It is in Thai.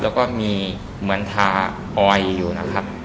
แล้วก็มีเหมือนทาออยอยู่นะครับ